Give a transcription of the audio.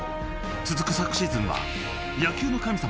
続く昨シーズンは野球の神様